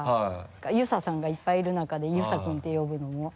遊佐さんがいっぱいいる中で「遊佐君」って呼ぶのも。